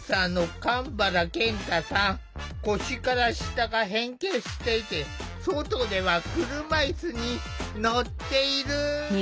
腰から下が変形していて外では車いすに乗っている。